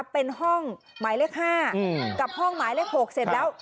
เป็นห้องหมายเลข๕กับห้องหมายเลข๖เสร็จแล้ว